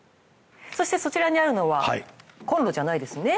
そしてそちらにあるのはコンロじゃないですね。